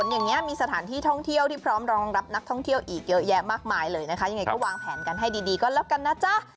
ยังไงก็วางแผนกันให้ดีก่อนแล้วกันนะจ๊ะ